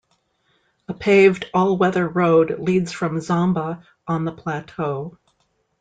A paved all-weather road leads from Zomba on the Plateau.